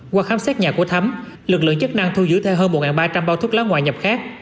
qua khám xét nhà của thấm lực lượng chức năng thu giữ thêm hơn một ba trăm linh bao thuốc lá ngoại nhập khác